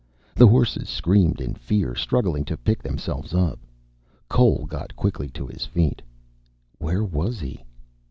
The horses screamed in fear, struggling to pick themselves up. Cole got quickly to his feet. _Where was he?